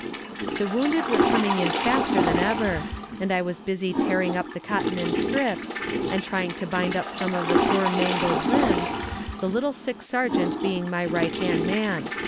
The wounded were coming in faster than ever, and I was busy tearing up the cotton in strips, and trying to bind up some of the poor mangled limbs, the little sick sergeant being my right hand man.